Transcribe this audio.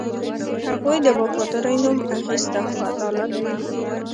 هغوی د وفادارۍ نوم اخیسته، خو عدالت نه.